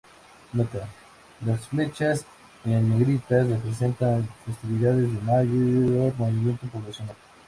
Nota: Las fechas en negritas representan las festividades de mayor movimiento poblacional.